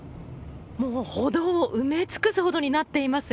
もう歩道を埋め尽くすほどになっています。